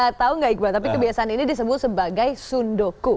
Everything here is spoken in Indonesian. kita tahu nggak iqbal tapi kebiasaan ini disebut sebagai sundoku